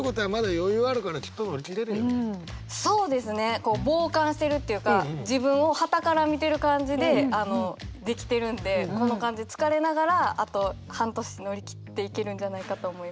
こう傍観してるっていうか自分をはたから見てる感じでできてるんでこの感じつかれながらあと半年乗り切っていけるんじゃないかと思います。